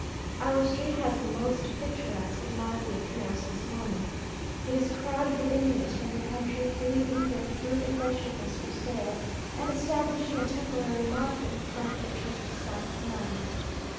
Our street has a most picturesque and lively appearance this morning. It is crowded with Indians from the country, bringing in their fruit and vegetables for sale, and establishing a temporary market in front of the church of San Fernando.